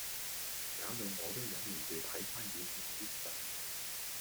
搞到我都忍唔住睇番以前啲相⠀